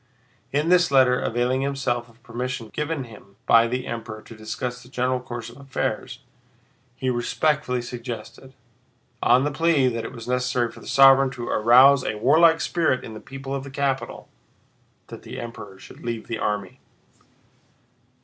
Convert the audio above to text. In this letter, availing himself of permission given him by the Emperor to discuss the general course of affairs, he respectfully suggested—on the plea that it was necessary for the sovereign to arouse a warlike spirit in the people of the capital—that the Emperor should leave the army.